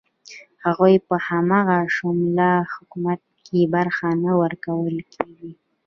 هغوی په همه شموله حکومت کې برخه نه ورکول کیږي.